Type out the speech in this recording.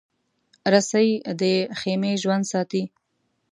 رسۍ د خېمې ژوند ساتي.